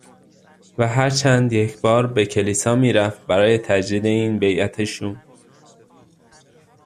و هر چند یک بار به کلیسا می رفت برای تجدید این بیعت شوم.